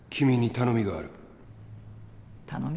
頼み？